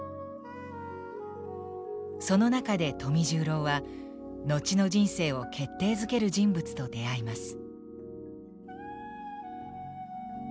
その中で富十郎は後の人生を決定づける人物と出会います。